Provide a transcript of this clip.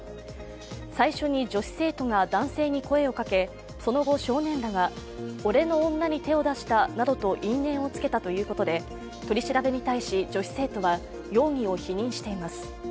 最初に女子生徒が男性に声をかけその後、少年らが、俺の女に手を出したなどと因縁をつけたということで取り調べに対し、女子生徒は容疑を否認しています。